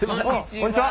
こんにちは。